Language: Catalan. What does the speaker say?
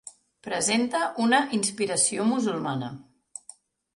Presenta una inspiració musulmana.